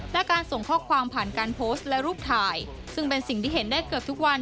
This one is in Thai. และการส่งข้อความผ่านการโพสต์และรูปถ่ายซึ่งเป็นสิ่งที่เห็นได้เกือบทุกวัน